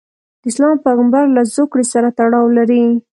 د اسلام پیغمبرله زوکړې سره تړاو لري.